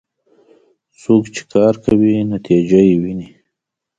څوک چې کار کوي، نتیجه یې ويني.